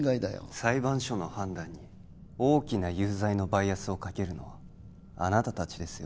裁判所の判断に大きな有罪のバイアスをかけるのはあなた達ですよ